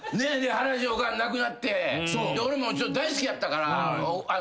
原西のおかん亡くなって俺も大好きやったから。